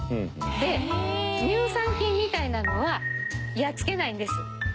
で乳酸菌みたいなのはやっつけないんです。